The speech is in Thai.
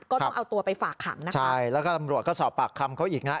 ก็ต้องเอาตัวไปฝากคำใช่แล้วก็อำรวชก็สอบปากคำเขาอีกนะ